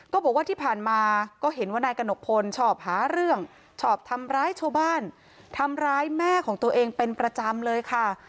ก็บอกว่าที่ผ่านมาก็เห็นว่านายกระหนกพลชอบหาเรื่องชอบทำร้ายชาวบ้านทำร้ายแม่ของตัวเองเป็นประจำเลยค่ะ